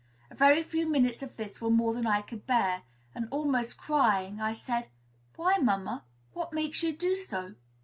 A very few minutes of this were more than I could bear; and, almost crying, I said, "Why, mamma, what makes you do so?"